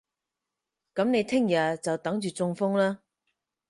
噉你聽日就等住中風啦